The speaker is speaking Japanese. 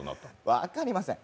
分っかりません。